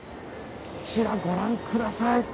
こちらご覧ください。